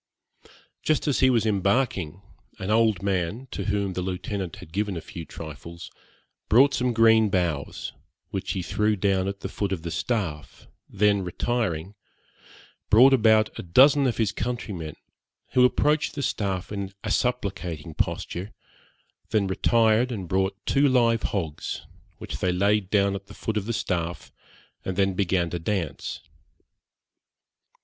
Just as he was embarking, an old man, to whom the Lieutenant had given a few trifles, brought some green boughs, which he threw down at the foot of the staff, then retiring, brought about a dozen of his countrymen, who approached the staff in a supplicating posture, then retired and brought two live hogs, which they laid down at the foot of the staff, and then began to dance.